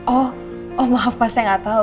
oh maaf pak saya gak tahu